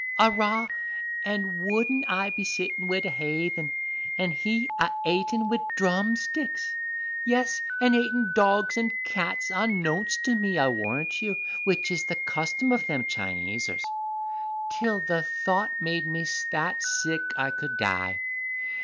Arrah, an' would I be sittin' wid a haythen, and he a atin' wid drum sticks yes, an' atin' dogs an' cats unknownst to me, I warrant you, which is the custom of them Chinesers, till the thought made me that sick I could die.